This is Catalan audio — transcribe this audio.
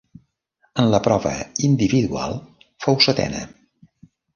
En la prova individual fou setena.